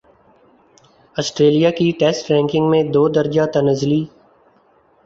Australia کی test ranking میں دو درجہ تنزلی